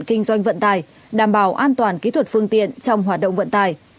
kinh doanh vận tải đảm bảo an toàn kỹ thuật phương tiện trong hoạt động vận tải